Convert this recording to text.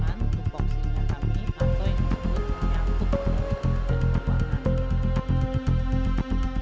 untuk poksinya kami atau yang disebut menyangkut keuangan